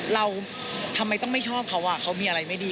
เราทำไมต้องไม่ชอบเขาเขามีอะไรไม่ดี